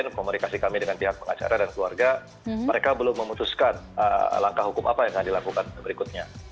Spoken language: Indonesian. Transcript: jadi kami dengan pihak pengacara dan keluarga mereka belum memutuskan langkah hukum apa yang akan dilakukan berikutnya